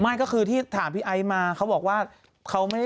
ไม่ก็คือที่ถามพี่ไอมาเขาบอกว่า